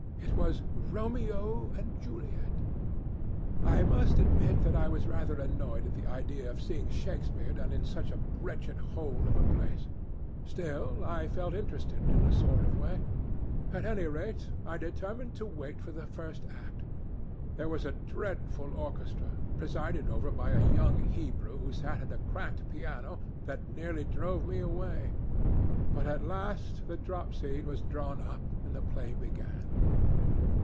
It was Romeo and Juliet. I must admit that I was rather annoyed at the idea of seeing Shakespeare done in such a wretched hole of a place. Still, I felt interested, in a sort of way. At any rate, I determined to wait for the first act. There was a dreadful orchestra, presided over by a young Hebrew who sat at a cracked piano, that nearly drove me away, but at last the drop scene was drawn up and the play began.